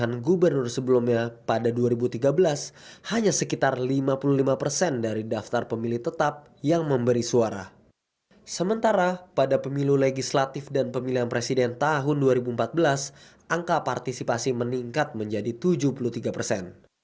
angka partisipasi meningkat menjadi tujuh puluh tiga persen